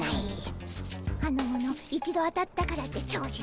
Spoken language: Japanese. あの者一度当たったからって調子づきおって。